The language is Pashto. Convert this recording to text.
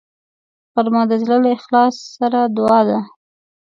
غرمه د زړه له اخلاص سره دعا ده